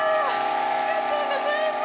ありがとうございます。